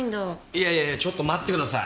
いやいやいやちょっと待ってください。